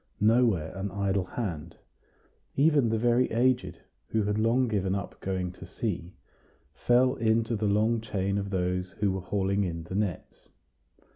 Nowhere an idle hand; even the very aged, who had long given up going to sea, fell into the long chain of those who were hauling in the nets.